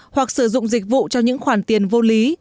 hoặc sử dụng dịch vụ cho những khoản tiền vô lý